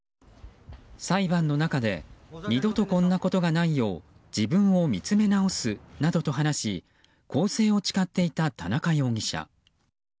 裁判の中で二度とこんなことがないよう自分を見つめなおすなどと話し更生を誓っていた田中容疑者。